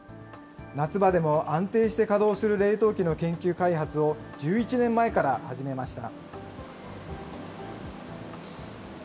夏場でも安定して稼働する冷凍機の研究開発を１１年前から始めました。